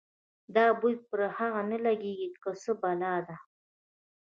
دا بوی پرې ښه نه لګېږي که څه بلا ده.